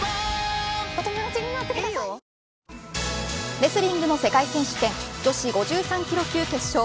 レスリングの世界選手権女子５３キロ級決勝。